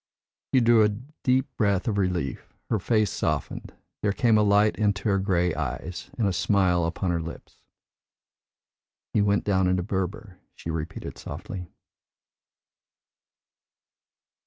She drew a deep breath of relief, her face softened, there came a light into her grey eyes, and a smile upon her lips. "He went down into Berber," she repeated softly.